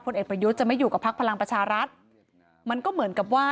เอกประยุทธ์จะไม่อยู่กับพักพลังประชารัฐมันก็เหมือนกับว่า